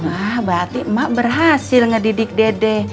ah berarti mak berhasil ngedidik dede